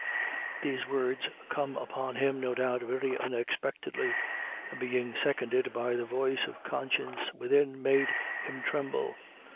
These words come upon him, no doubt, very unexpectedly; and being seconded by the voice of conscience within, made him tremble.